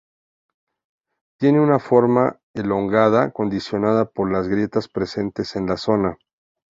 Tiene una forma elongada, condicionada por las grietas presentes en la zona.